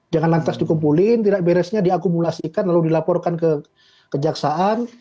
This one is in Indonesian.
jangan lantas dikumpulin tidak beresnya diakumulasikan lalu dilaporkan ke kejaksaan